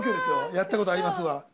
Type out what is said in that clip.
「やったことあります？」